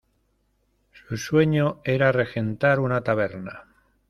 Su sueño era regentar una taberna.